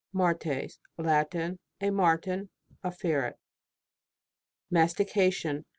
MARTKS. Latin. A marten, a ferret. MASTICATION.